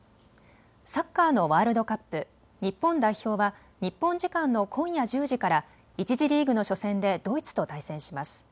サッカーのワールドカップ日本代表は日本時間の今夜１０時から１次リーグの初戦でドイツと対戦します。